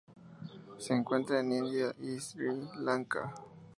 Se encuentra en India y Sri Lanka.